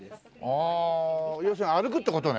ああ要するに歩くって事ね？